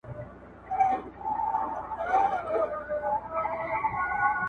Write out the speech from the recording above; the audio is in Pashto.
خر که هر څه په ځان غټ وو په نس موړ وو،